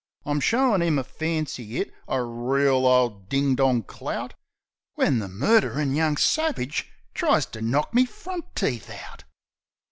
I'm showin' 'im a fancy 'it, a reel ole ding dong clout, When the murderin' young savage tries to knock me front teeth out!